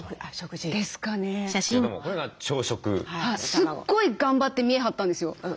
すっごい頑張って見え張ったんですよ。